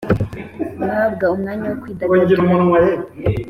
guhabwa umwanya wo kwidagadura